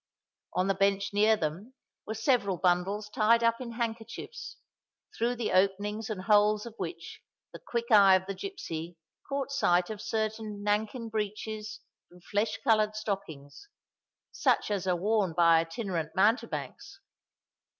On the bench near them were several bundles tied up in handkerchiefs, through the openings and holes of which the quick eye of the gipsy caught sight of certain nankin breeches and flesh coloured stockings, such as are worn by itinerant mountebanks.